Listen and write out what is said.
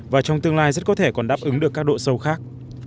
và trong tương lai rất có thể còn đáp ứng được các độ sâu khác